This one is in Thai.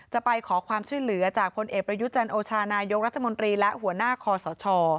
จะไปขอความช่วยเหลือจากพลเอกประยุจันโอชานายกรัฐมนตรีและหัวหน้าคอสช